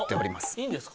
いいんですか？